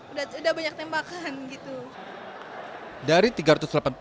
udah banyak tembakan gitu